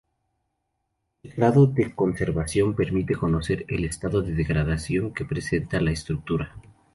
El grado de conservación permite conocer el estado de degradación que presenta la estructura.